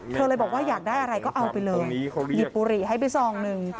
เธอเลยบอกว่าอยากได้อะไรก็เอาไปเลยหยิบบุหรี่ให้ไปซองหนึ่ง